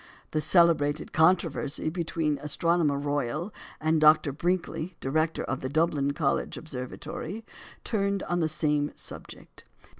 The celebrated controversy between the Astronomer Royal and Dr. Brinkley, Director of the Dublin College Observatory, turned on the same subject.